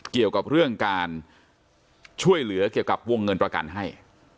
เกี่ยวกับเรื่องการช่วยเหลือเกี่ยวกับวงเงินประกันให้